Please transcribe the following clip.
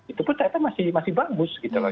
itu pun ternyata masih bagus gitu loh